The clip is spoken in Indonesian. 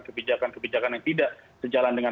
kebijakan kebijakan yang tidak sejalan dengan